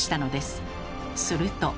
すると。